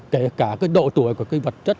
kể cả độ tuổi của vật chất